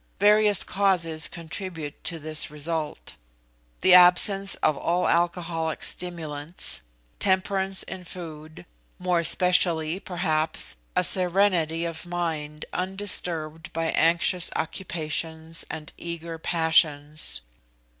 Various causes contribute to this result: the absence of all alcoholic stimulants; temperance in food; more especially, perhaps, a serenity of mind undisturbed by anxious occupations and eager passions.